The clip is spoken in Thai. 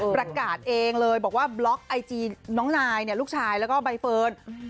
ประกาศเองเลยบอกว่าบล็อกไอจีน้องนายเนี่ยลูกชายแล้วก็ใบเฟิร์น